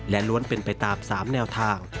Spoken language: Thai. และล้วนเป็นไปตามสามแนวทาง